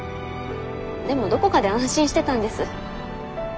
でもどこかで安心してたんです。